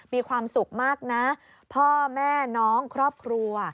มีความสุขมากนะพ่อแม่น้องครอบครัว